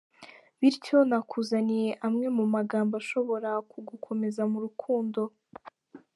Bityo nakuzaniye amwe mu magambo ashobora kugukomeza mu rukundo.